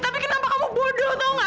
tapi kenapa kamu bodoh atau enggak